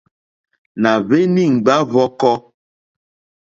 Nà hweni ŋgba hvɔ̀kɔ.